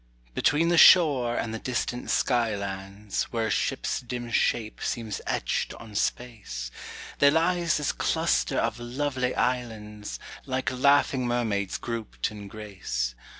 Between the shore and the distant sky lands, Where a ship's dim shape seems etched on space, There lies this cluster of lovely islands, Like laughing mermaids grouped in grace.